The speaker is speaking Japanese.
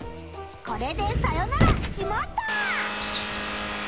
これでさよなら「しまった！」。